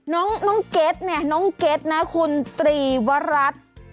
น้องเก็ตเนี่ยน้องเก็ตนะคุณตรีวรัฐ